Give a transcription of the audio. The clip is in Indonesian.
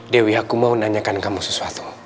dewi aku mau nanyakan kamu sesuatu